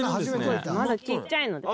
まだちっちゃいので。